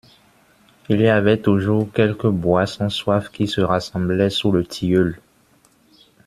Il y avait toujours quelques boit-sans-soif qui se rassemblaient sous le tilleul.